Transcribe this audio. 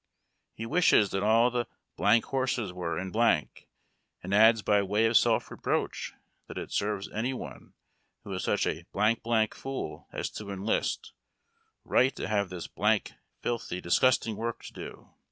He wishes that all the blank horses were in blank, and adds b}^ way of self reproach that it serves any one, who is such a blank blank fool as to enlist, right to have this blaidc, filthy, disgusting work to do.